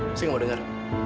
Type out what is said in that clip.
saya nggak mau dengar